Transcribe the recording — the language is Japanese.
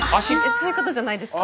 そういうことじゃないですか？